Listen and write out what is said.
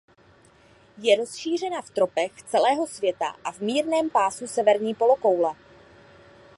Je rozšířena v tropech celého světa a v mírném pásu severní polokoule.